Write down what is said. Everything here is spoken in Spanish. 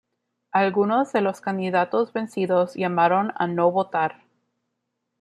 Algunos de los candidatos vencidos llamaron a no votar.